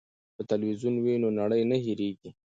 که تلویزیون وي نو نړۍ نه هیریږي.